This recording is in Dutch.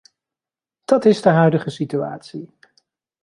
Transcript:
Dat is de huidige situatie!